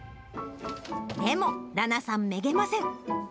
でも、羅名さん、めげません。